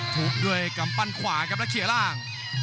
ถูกด้วยกำปั้นขวากับละเขียร่าง